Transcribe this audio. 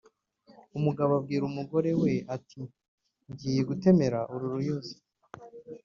umugabo abwira umugore we ati "ngiye gutemera uru ruyuzi